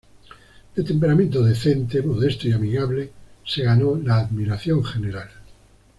De temperamento decente, modesto y amigable, se ganó la admiración general.